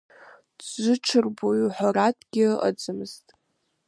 Дзыҽырбои, уҳәаратәгьы иҟамызт…